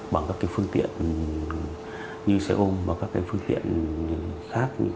bằng các phương tiện như xe ôm và các phương tiện khác